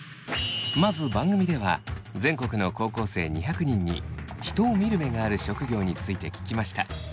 まず番組では全国の高校生２００人に人を見る目がある職業について聞きました。